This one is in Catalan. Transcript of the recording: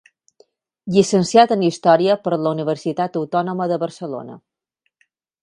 Llicenciat en Història per la Universitat Autònoma de Barcelona.